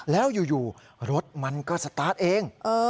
แล้วอยู่รถมันก็สตาร์ทเอง